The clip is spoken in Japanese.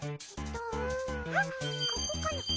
あっここかな？